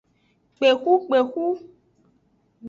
Kpexukpexu.